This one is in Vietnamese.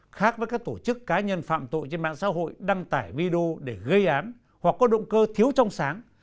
khác với các tổ chức cá nhân phạm tội trên mạng xã hội đăng tải video để gây án hoặc có động cơ thiếu trong sáng